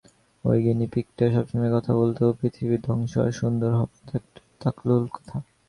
ওই গিনিপিগটা সবসময় কথা বলত পৃথিবীর ধ্বংস আর সুন্দর হাতওয়ালা এক টাকলুর কথা।